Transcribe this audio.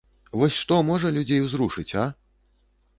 Вось што можа людзей узрушыць, а?